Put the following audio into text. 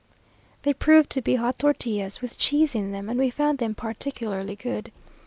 They proved to be hot tortillas, with cheese in them, and we found them particularly good.